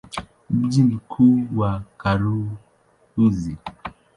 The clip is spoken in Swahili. Mji mkuu ni Karuzi.